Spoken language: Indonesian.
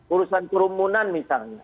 urusan kerumunan misalnya